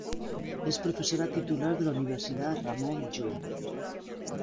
Es profesora titular de la Universidad Ramon Llull.